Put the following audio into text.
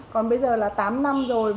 còn bây giờ là tám năm rồi